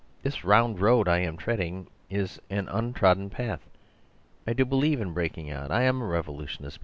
This round road I am treading is an untrodden path. I do believe in breaking out; I am a revolutionist.